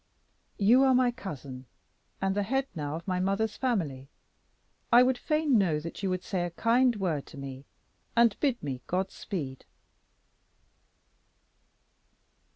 "You are my cousin, and the head now of my mother's family. I would fain know that you would say a kind word to me, and bid me 'God speed.'"